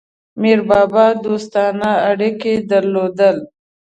میربابا دوستانه اړیکي درلودل.